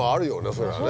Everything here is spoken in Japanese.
そりゃね。